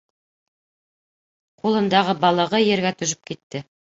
Ҡулындағы балығы ергә төшөп китте.